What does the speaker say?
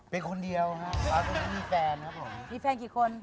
เป็นคนเดียวครับมีแฟนครับผม